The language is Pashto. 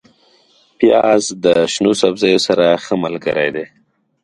پیاز د شنو سبزیو سره ښه ملګری دی